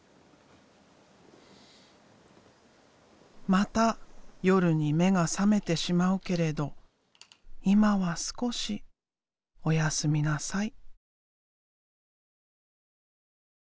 また夜に目が覚めてしまうけれど今は少し「おやすみなさい」。